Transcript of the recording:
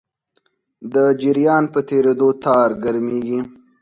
د جریان په تېرېدو تار ګرمېږي.